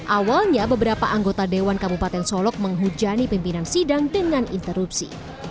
awalnya beberapa anggota dewan kabupaten solok menghujani pimpinan sidang dengan interupsi